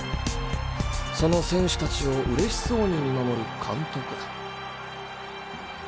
その選手達を嬉しそうに見守る監督。